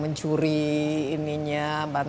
mencuri ininya bantang